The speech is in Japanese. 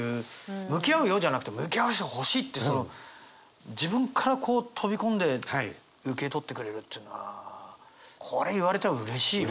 「向き合うよ」じゃなくて「向き合わせてほしい」って自分からこう飛び込んで受け取ってくれるっていうのはこれ言われたらうれしいよね。